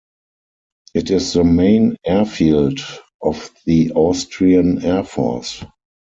It is the main airfield of the Austrian Air Force.